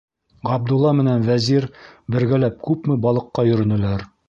Ғабдулла менән Вәзир бергәләп күпме балыҡҡа йөрөнөләр.